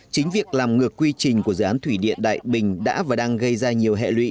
chính việc làm ngược quy trình của dự án thủy điện đại bình đã và đang gây ra nhiều hệ lụy